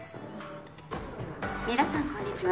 「皆さんこんにちは」